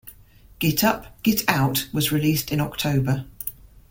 "Git Up, Git Out" was released in October.